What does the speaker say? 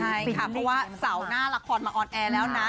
ใช่ค่ะเพราะว่าเสาร์หน้าละครมาออนแอร์แล้วนะ